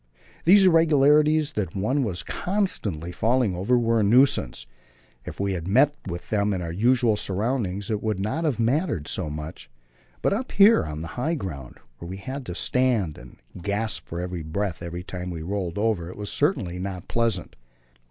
These irregularities that one was constantly falling over were a nuisance; if we had met with them in our usual surroundings it would not have mattered so much; but up here on the high ground, where we had to stand and gasp for breath every time we rolled over, it was certainly not pleasant.